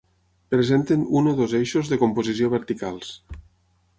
Presenten un o dos eixos de composició verticals.